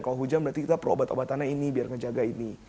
kalau hujan berarti kita perlu obat obatannya ini biar ngejaga ini